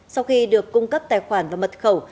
sau khi được cung cấp tài khoản và mật khẩu